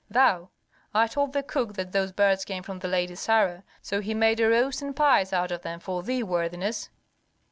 "Thou. I told the cook that those birds came from the Lady Sarah; so he made a roast and pies out of them for thee, worthiness."